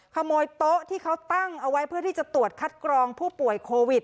ขโมยโต๊ะที่เขาตั้งเอาไว้เพื่อที่จะตรวจคัดกรองผู้ป่วยโควิด